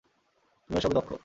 তুমি এসবে দক্ষ।